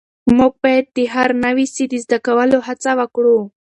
موږ باید د هر نوي سی د زده کولو هڅه وکړو.